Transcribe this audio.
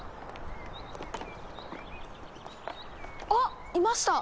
あっいました！